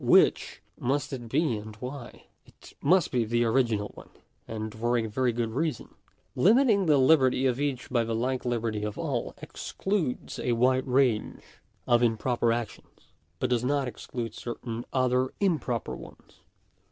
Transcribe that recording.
Which must it be, and why ? It must be the original one, and for a very good reason. Limiting the liberty of each by the like liberty of all, excludes a wide range of improper actions, but does not exclude certain other improper ones.